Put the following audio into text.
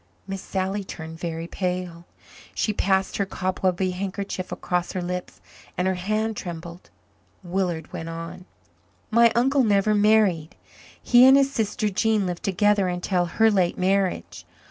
Miss Sally turned very pale. She passed her cobwebby handkerchief across her lips and her hand trembled. Willard went on. "My uncle never married. He and his sister Jean lived together until her late marriage.